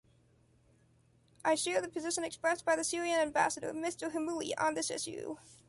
I share the position expressed by the Syrian Ambassador, Mr. Hamoui, on this issue.